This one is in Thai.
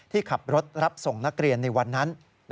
ที่ขับรถรับส่งนักเรียนในวันนั้น